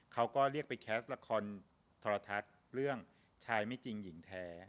เขาก็เรียกไปแคสต์ละครโทรทัศน์เรื่องชายไม่จริงหญิงแท้